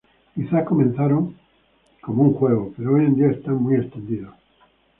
Quizás comenzaron como un juego, pero hoy en día están muy extendidos.